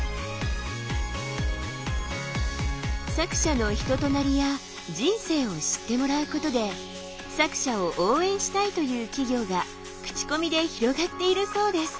作者の人となりや人生を知ってもらうことで作者を応援したいという企業が口コミで広がっているそうです。